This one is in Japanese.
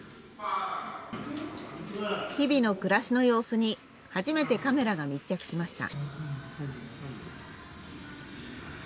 日々の暮らしの様子に、初めてカメラが密着しました。